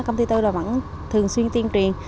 công ty tôi vẫn thường xuyên tuyên truyền